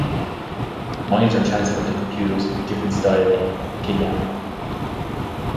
Minds are transferred to computers in a different style in "A Kidnapping".